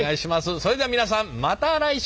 それでは皆さんまた来週。